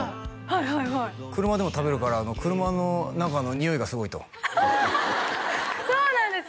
はいはいはい車でも食べるから車の中のにおいがすごいとそうなんです